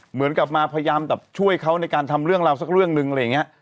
เหมือนกับมาพยายามแบบช่วยเขาในการทำเรื่องราวสักเรื่องนึงอะไรอย่างนี้